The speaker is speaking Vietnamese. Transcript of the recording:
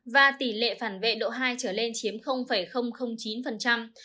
và tỷ lệ phản vệ độ hai trở lên chiếm chín